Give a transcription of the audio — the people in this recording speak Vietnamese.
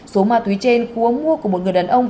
số ma túy trên cú mua của một người đàn ông